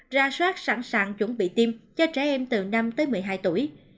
ra soát sẵn sàng chuẩn bị tiêm cho trẻ em từ năm tới một mươi hai tuổi